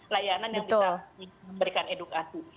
layanan yang diberikan edukasi